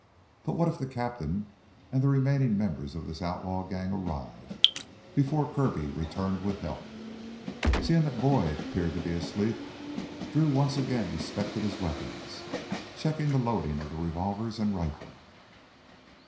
But what if the "captain" and the remaining members of this outlaw gang arrived before Kirby returned with help? Seeing that Boyd appeared to be asleep, Drew once again inspected his weapons, checking the loading of revolvers and rifle.